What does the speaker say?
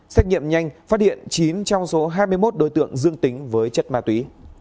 xét nghiệm nhanh phát hiện chín trong số hai mươi một đối tượng dương tính với chất ma túy